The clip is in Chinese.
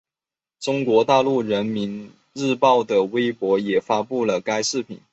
中国大陆人民日报的微博也发布了该视频。